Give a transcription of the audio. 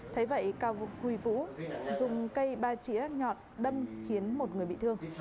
thấy vậy kha huy vũ dùng cây ba chỉa nhọt đâm khiến một người bị thương